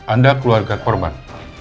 anda keluarga korman